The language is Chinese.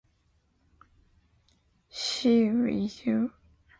投资银行，简称投行，是种以经营证券业务为主的金融机构